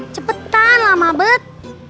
cepetan lah mabet